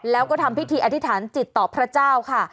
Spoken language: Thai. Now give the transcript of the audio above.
แล้วก็ทำพิธีอธิษฐานจิตต่อพระเจ้าค่ะ